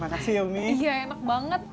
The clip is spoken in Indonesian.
makasih ya umi iya enak banget